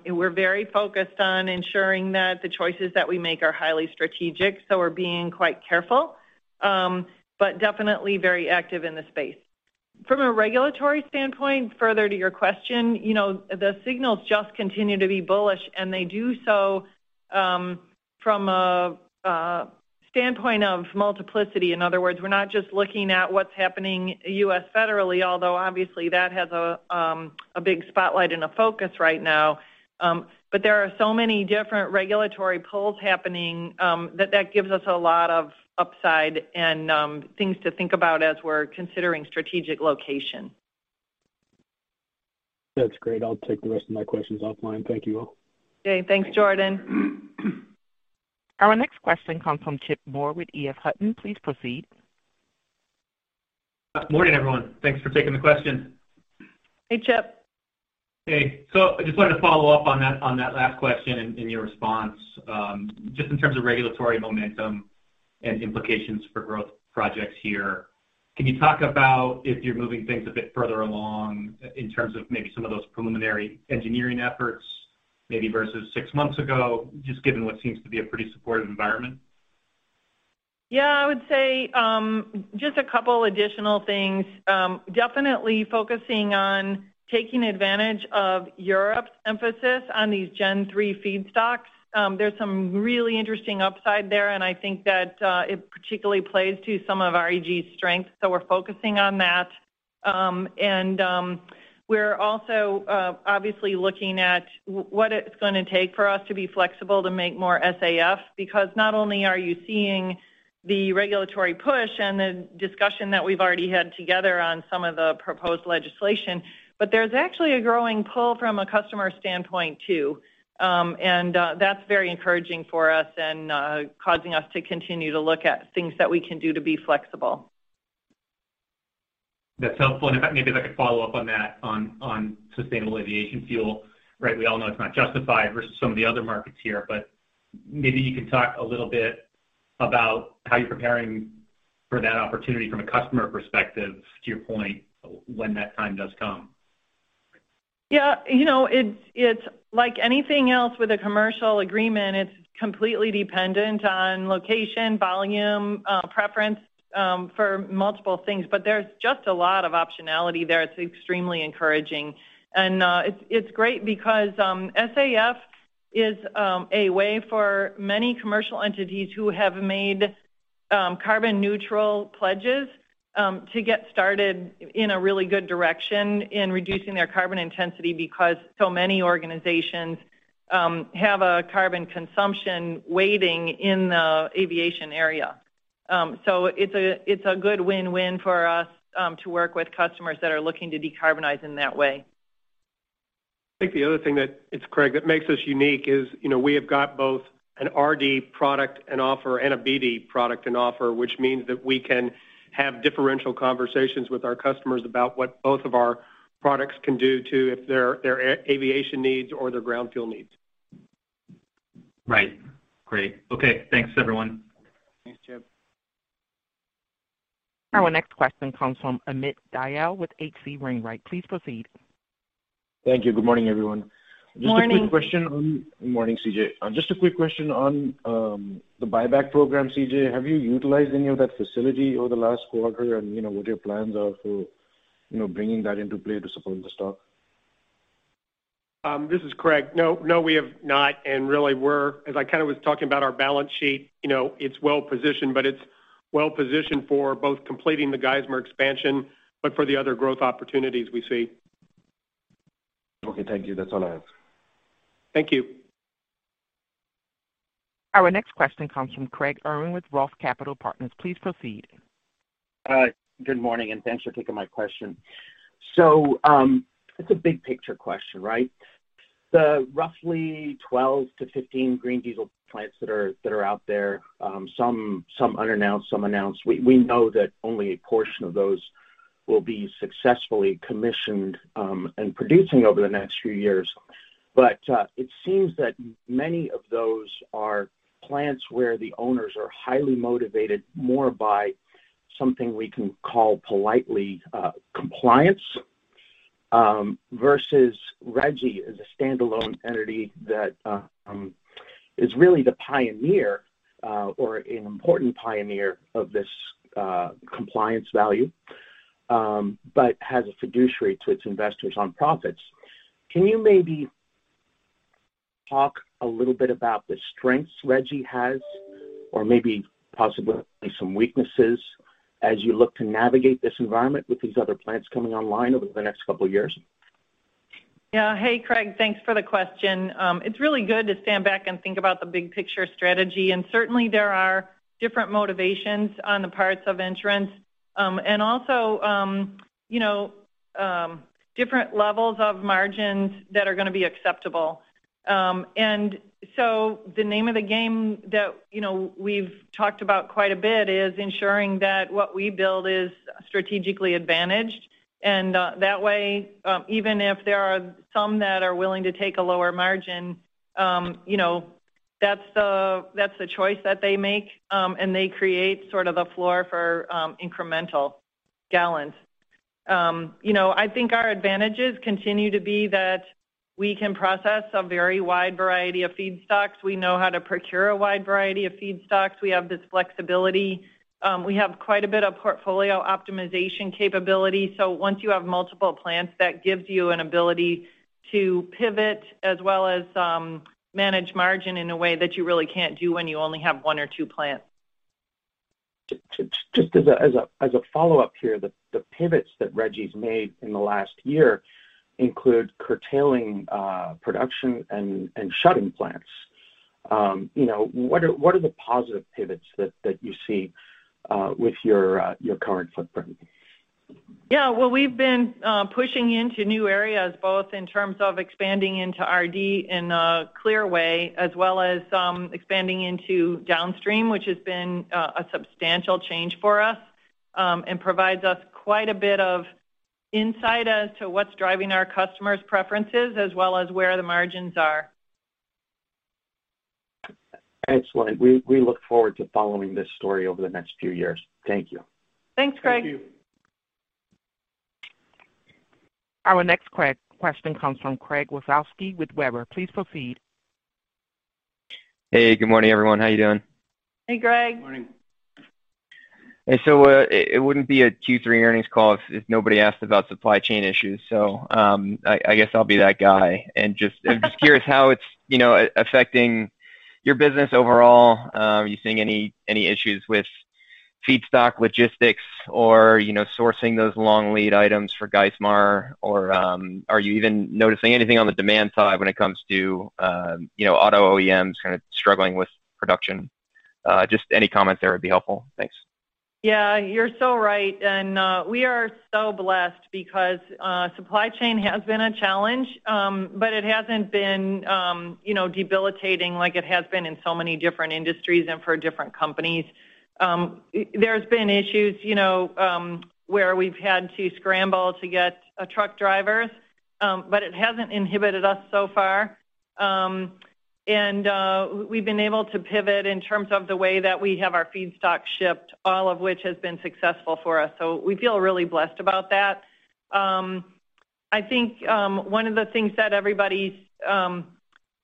We're very focused on ensuring that the choices that we make are highly strategic, so we're being quite careful, but definitely very active in the space. From a regulatory standpoint, further to your question, you know, the signals just continue to be bullish, and they do so from a standpoint of multiplicity. In other words, we're not just looking at what's happening U.S. federally, although obviously that has a big spotlight and a focus right now. There are so many different regulatory pulls happening that that gives us a lot of upside and things to think about as we're considering strategic location. That's great. I'll take the rest of my questions offline. Thank you all. Okay. Thanks, Jordan. Our next question comes from Chip Moore with EF Hutton. Please proceed. Morning, everyone. Thanks for taking the question. Hey, Chip. Hey. I just wanted to follow up on that last question and your response, just in terms of regulatory momentum and implications for growth projects here. Can you talk about if you're moving things a bit further along in terms of maybe some of those preliminary engineering efforts maybe versus six months ago, just given what seems to be a pretty supportive environment? Yeah. I would say, just a couple additional things. Definitely focusing on taking advantage of Europe's emphasis on these Gen 3 feedstocks. There's some really interesting upside there, and I think that it particularly plays to some of REG's strengths, so we're focusing on that. We're also obviously looking at what it's gonna take for us to be flexible to make more SAF, because not only are you seeing the regulatory push and the discussion that we've already had together on some of the proposed legislation, but there's actually a growing pull from a customer standpoint too. That's very encouraging for us and causing us to continue to look at things that we can do to be flexible. That's helpful. Maybe if I could follow up on that, on sustainable aviation fuel. Right. We all know it's not justified versus some of the other markets here, but maybe you can talk a little bit about how you're preparing for that opportunity from a customer perspective, to your point, when that time does come. Yeah. You know, it's like anything else with a commercial agreement. It's completely dependent on location, volume, preference for multiple things, but there's just a lot of optionality there. It's extremely encouraging. It's great because SAF is a way for many commercial entities who have made carbon neutral pledges to get started in a really good direction in reducing their carbon intensity because so many organizations have a carbon consumption weighting in the aviation area. It's a good win-win for us to work with customers that are looking to decarbonize in that way. I think the other thing that, it's Craig, that makes us unique is, you know, we have got both an RD product and offer and a BD product and offer, which means that we can have differential conversations with our customers about what both of our products can do for their aviation needs or their ground fuel needs. Right. Great. Okay. Thanks, everyone. Thanks, Chip. Our next question comes from Amit Dayal with H.C. Wainwright. Please proceed. Thank you. Good morning, everyone. Morning. Morning, CJ. Just a quick question on the buyback program, CJ. Have you utilized any of that facility over the last quarter? You know, what your plans are for, you know, bringing that into play to support the stock? This is Craig. No, we have not. Really, we're, as I kinda was talking about our balance sheet, you know, it's well-positioned for both completing the Geismar expansion, but for the other growth opportunities we see. Okay. Thank you. That's all I have. Thank you. Our next question comes from Craig Irwin with Roth Capital Partners. Please proceed. Good morning, and thanks for taking my question. It's a big picture question, right? The roughly 12 to 15 green diesel plants that are out there, some unannounced, some announced, we know that only a portion of those will be successfully commissioned, and producing over the next few years. It seems that many of those are plants where the owners are highly motivated more by something we can call politely, compliance, versus REG is a standalone entity that is really the pioneer, or an important pioneer of this, compliance value, but has a fiduciary to its investors on profits. Can you maybe talk a little bit about the strengths REG has or maybe possibly some weaknesses as you look to navigate this environment with these other plants coming online over the next couple of years? Yeah. Hey, Craig, thanks for the question. It's really good to stand back and think about the big picture strategy, and certainly there are different motivations on the parts of entrants. You know, different levels of margins that are gonna be acceptable. The name of the game that, you know, we've talked about quite a bit is ensuring that what we build is strategically advantaged. That way, even if there are some that are willing to take a lower margin, you know, that's the choice that they make. They create sort of a floor for incremental gallons. You know, I think our advantages continue to be that we can process a very wide variety of feedstocks. We know how to procure a wide variety of feedstocks. We have this flexibility. We have quite a bit of portfolio optimization capability. Once you have multiple plants, that gives you an ability to pivot as well as manage margin in a way that you really can't do when you only have one or two plants. Just as a follow-up here, the pivots that REG's made in the last year include curtailing production and shutting plants. You know, what are the positive pivots that you see with your current footprint? Yeah. Well, we've been pushing into new areas, both in terms of expanding into RD in a clear way as well as expanding into downstream, which has been a substantial change for us, and provides us quite a bit of insight as to what's driving our customers' preferences as well as where the margins are. Excellent. We look forward to following this story over the next few years. Thank you. Thanks, Craig. Thank you. Our next question comes from Greg Wasikowski with Weber. Please proceed. Hey. Good morning, everyone. How are you doing? Hey, Greg. Morning. It wouldn't be a Q3 earnings call if nobody asked about supply chain issues. I guess I'll be that guy. I'm just curious how it's, you know, affecting your business overall. Are you seeing any issues with feedstock logistics or, you know, sourcing those long lead items for Geismar? Or are you even noticing anything on the demand side when it comes to, you know, auto OEMs kinda struggling with production? Just any comments there would be helpful. Thanks. Yeah, you're so right. We are so blessed because supply chain has been a challenge, but it hasn't been, you know, debilitating like it has been in so many different industries and for different companies. There's been issues, you know, where we've had to scramble to get truck drivers, but it hasn't inhibited us so far. We've been able to pivot in terms of the way that we have our feedstock shipped, all of which has been successful for us. We feel really blessed about that. I think one of the things that everybody's,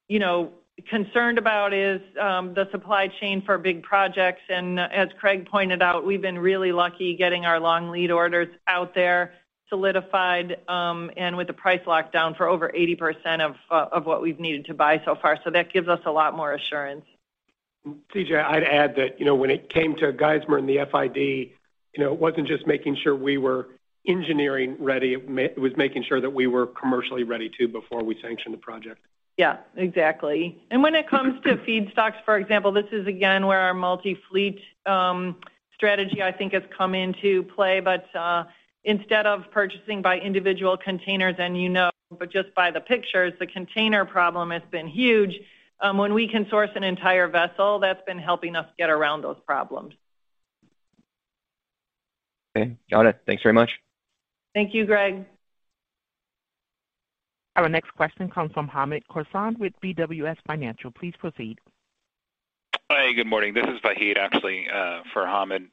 you know, concerned about is the supply chain for big projects. As Craig pointed out, we've been really lucky getting our long lead orders out there solidified, and with the price locked down for over 80% of what we've needed to buy so far. That gives us a lot more assurance. C.J., I'd add that, you know, when it came to Geismar and the FID, you know, it wasn't just making sure we were engineering ready, it was making sure that we were commercially ready too before we sanctioned the project. Yeah, exactly. When it comes to feedstocks, for example, this is again where our multi-fleet strategy I think has come into play. Instead of purchasing by individual containers, and you know, but just by the pictures, the container problem has been huge. When we can source an entire vessel, that's been helping us get around those problems. Okay. Got it. Thanks very much. Thank you, Greg. Our next question comes from Hamed Khorsand with BWS Financial. Please proceed. Hi, good morning. This is Vahid actually for Hamed.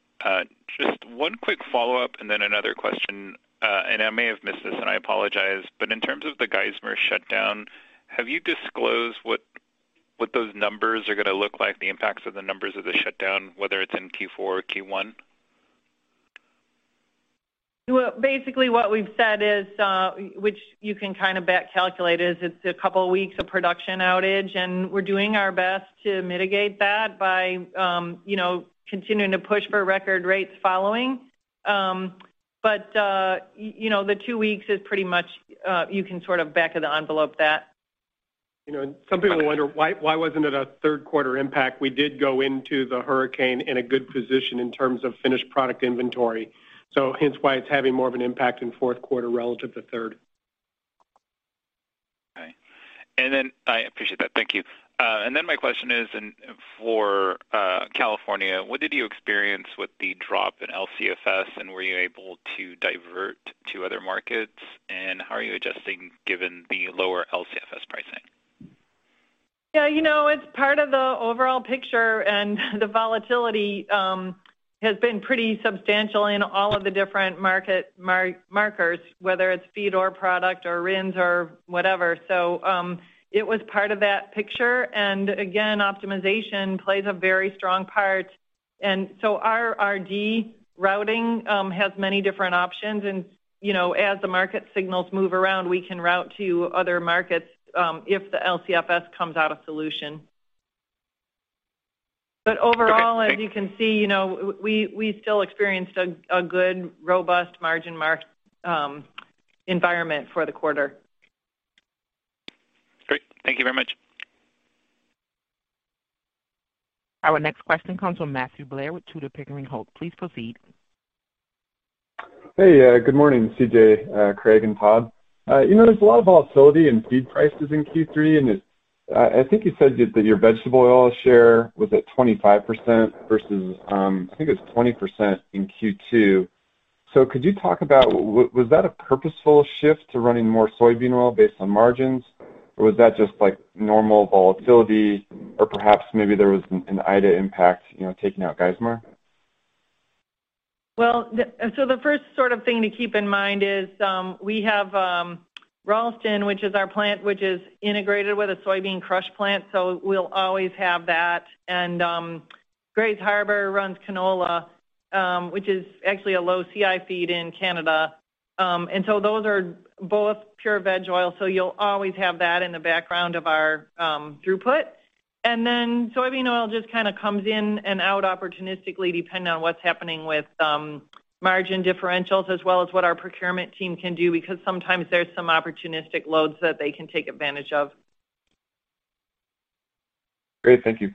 Just one quick follow-up and then another question. I may have missed this, and I apologize. In terms of the Geismar shutdown, have you disclosed what those numbers are gonna look like, the impacts of the numbers of the shutdown, whether it's in Q4 or Q1? Well, basically what we've said is, which you can kinda back calculate is it's a couple weeks of production outage, and we're doing our best to mitigate that by, you know, continuing to push for record rates following. But, you know, the two weeks is pretty much, you can sort of back of the envelope that. You know, some people wonder why wasn't it a Q3 impact? We did go into the hurricane in a good position in terms of finished product inventory. Hence why it's having more of an impact in Q4 relative to third. Okay. I appreciate that. Thank you. My question is for California, what did you experience with the drop in LCFS, and were you able to divert to other markets? How are you adjusting given the lower LCFS pricing? Yeah, you know, it's part of the overall picture, and the volatility has been pretty substantial in all of the different market markers, whether it's feed or product or RINs or whatever. It was part of that picture, and again, optimization plays a very strong part. Our RD routing has many different options and, you know, as the market signals move around, we can route to other markets, if the LCFS comes out as a solution. Overall- Okay, thank- As you can see, you know, we still experienced a good, robust margin environment for the quarter. Great. Thank you very much. Our next question comes from Matthew Blair with Tudor, Pickering & Holt. Please proceed. Hey, yeah. Good morning, CJ, Craig, and Todd. You know, there's a lot of volatility in feed prices in Q3, and I think you said that your vegetable oil share was at 25% versus, I think it was 20% in Q2. Could you talk about was that a purposeful shift to running more soybean oil based on margins, or was that just, like, normal volatility, or perhaps maybe there was an Ida impact, you know, taking out Geismar? The first sort of thing to keep in mind is, we have Ralston, which is our plant, which is integrated with a soybean crush plant, so we'll always have that. Grays Harbor runs canola, which is actually a low CI feed in Canada. Those are both pure veg oil, so you'll always have that in the background of our throughput. Then soybean oil just kinda comes in and out opportunistically depending on what's happening with margin differentials as well as what our procurement team can do because sometimes there's some opportunistic loads that they can take advantage of. Great. Thank you.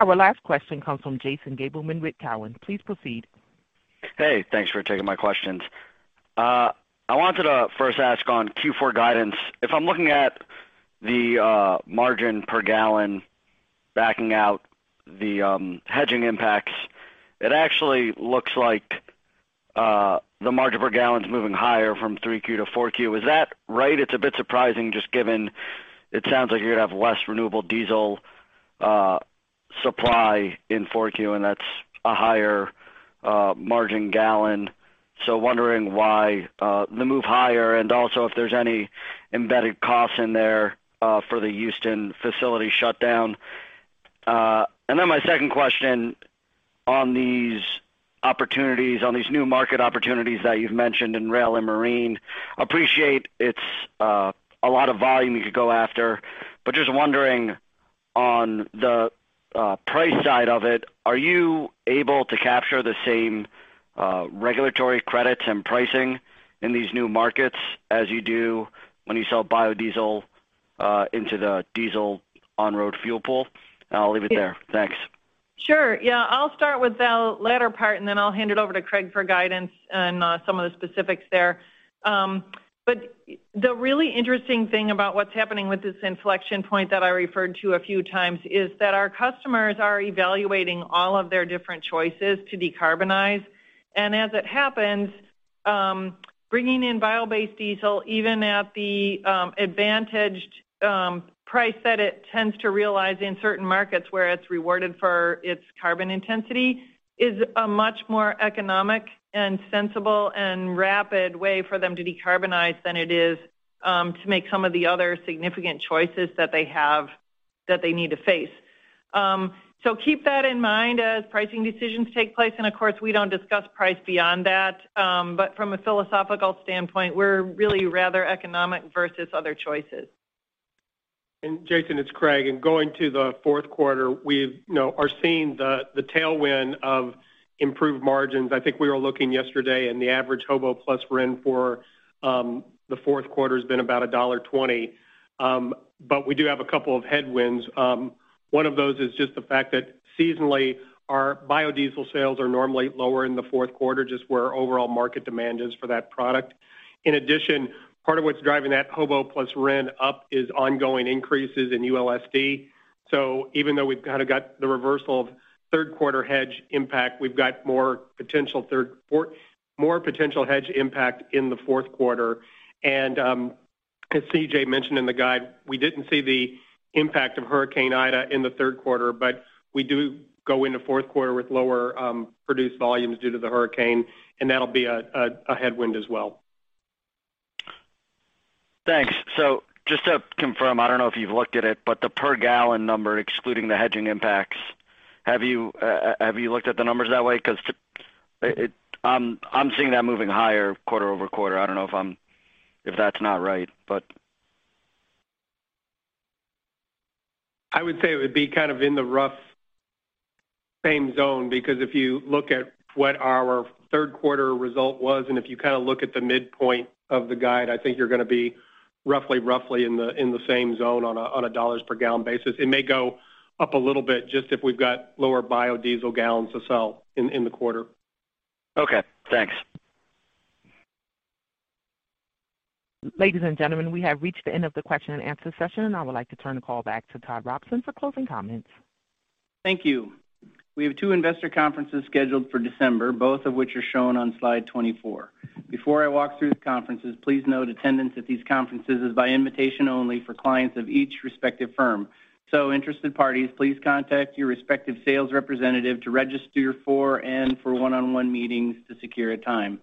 Our last question comes from Jason Gabelman with Cowen. Please proceed. Hey, thanks for taking my questions. I wanted to first ask on Q4 guidance. If I'm looking at the margin per gallon backing out the hedging impacts, it actually looks like the margin per gallon's moving higher from Q3 to Q4. Is that right? It's a bit surprising just given it sounds like you're gonna have less renewable diesel supply in Q4, and that's a higher margin gallon. Wondering why the move higher and also if there's any embedded costs in there for the Houston facility shutdown. My second question on these opportunities, on these new market opportunities that you've mentioned in rail and marine. I appreciate it's a lot of volume you could go after, but just wondering on the price side of it, are you able to capture the same regulatory credits and pricing in these new markets as you do when you sell biodiesel into the diesel on-road fuel pool? I'll leave it there. Thanks. Sure. Yeah. I'll start with the latter part, and then I'll hand it over to Craig for guidance on some of the specifics there. The really interesting thing about what's happening with this inflection point that I referred to a few times is that our customers are evaluating all of their different choices to decarbonize. As it happens, bringing in bio-based diesel, even at the advantaged price that it tends to realize in certain markets where it's rewarded for its carbon intensity, is a much more economic and sensible and rapid way for them to decarbonize than it is to make some of the other significant choices that they have that they need to face. Keep that in mind as pricing decisions take place, and of course, we don't discuss price beyond that. From a philosophical standpoint, we're really rather economic versus other choices. Jason, it's Craig. In going to the Q4, we are seeing the tailwind of improved margins. I think we were looking yesterday, and the average HOBO plus RIN for the Q4's been about $1.20. We do have a couple of headwinds. One of those is just the fact that seasonally our biodiesel sales are normally lower in the Q4, just where overall market demand is for that product. In addition, part of what's driving that HOBO plus RIN up is ongoing increases in ULSD. Even though we've kind of got the reversal of Q3 hedge impact, we've got more potential hedge impact in the Q4. As CJ mentioned in the guide, we didn't see the impact of Hurricane Ida in the Q3, but we do go into Q4 with lower produced volumes due to the hurricane, and that'll be a headwind as well. Thanks. Just to confirm, I don't know if you've looked at it, but the per gallon number, excluding the hedging impacts, have you looked at the numbers that way? 'Cause I'm seeing that moving higher quarter-over-quarter. I don't know if that's not right, but. I would say it would be kind of in the rough same zone because if you look at what our Q3 result was and if you kind of look at the midpoint of the guide, I think you're gonna be roughly in the same zone on a dollar per gallon basis. It may go up a little bit just if we've got lower biodiesel gallons to sell in the quarter. Okay. Thanks. Ladies and gentlemen, we have reached the end of the question and answer session. I would like to turn the call back to Todd Robinson for closing comments. Thank you. We have two investor conferences scheduled for December, both of which are shown on slide 24. Before I walk through the conferences, please note attendance at these conferences is by invitation only for clients of each respective firm. Interested parties, please contact your respective sales representative to register for and for one-on-one meetings to secure a time.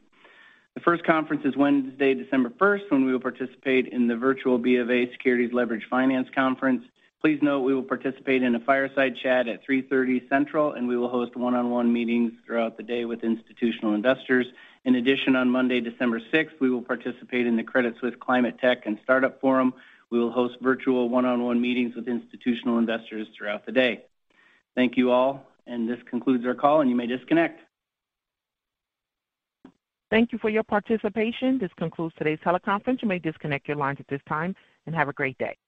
The first conference is Wednesday, 1 December, when we will participate in the virtual BofA Securities Leveraged Finance Conference. Please note we will participate in a fireside chat at 3:30 P.M. central, and we will host one-on-one meetings throughout the day with institutional investors. In addition, on Monday, 6 December we will participate in the Credit Suisse Climate Technology Start-Up Forum. We will host virtual one-on-one meetings with institutional investors throughout the day. Thank you all, and this concludes our call, and you may disconnect. Thank you for your participation. This concludes today's teleconference. You may disconnect your lines at this time, and have a great day.